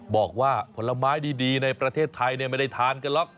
บอกว่าผลไม้ดีในประเทศไทยไม่ได้ทานกันหรอก